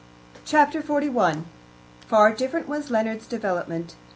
Chapter 41 Far different was Leonard's development.